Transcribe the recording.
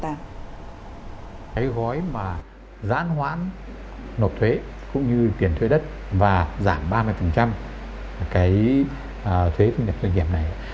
cái gói mà giãn hoãn nộp thuế cũng như tiền thuê đất và giảm ba mươi cái thuế thu nhập doanh nghiệp này